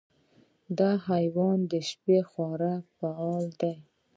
دا حیوان د شپې خورا فعال دی.